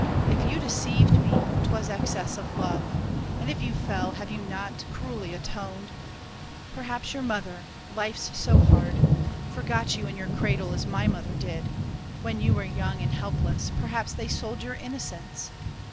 If you deceived me, 'twas excess of love; And if you fell, have you not cruelly atoned? Perhaps your mother—life's so hard—forgot You in your cradle, as my mother did; When you were young and helpless, perhaps they sold Your innocence.